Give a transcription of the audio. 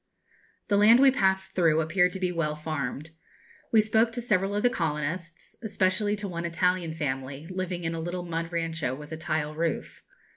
The land we passed through appeared to be well farmed. We spoke to several of the colonists, especially to one Italian family, living in a little mud rancho with a tile roof.